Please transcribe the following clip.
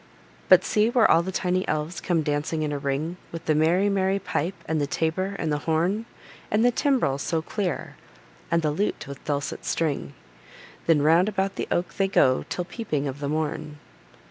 But, see where all the tiny elves come dancing in a ring, With the merry, merry pipe, and the tabor, and the horn, And the timbrel so clear, and the lute with dulcet string; Then round about the oak they go till peeping of the morn.